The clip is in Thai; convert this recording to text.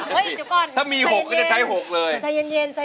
ก็เลยบอกถ้ามี๖จะใช้๖เลย